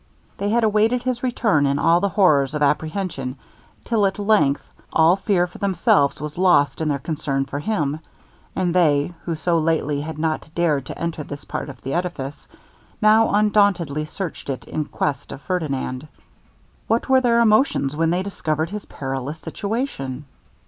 They had awaited his return in all the horrors of apprehension, till at length all fear for themselves was lost in their concern for him; and they, who so lately had not dared to enter this part of the edifice, now undauntedly searched it in quest of Ferdinand. What were their emotions when they discovered his perilous situation!